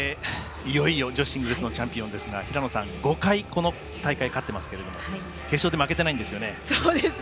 いよいよ女子シングルスのチャンピオンですが平野さん、５回この大会勝っていますが決勝で負けてないんですよね。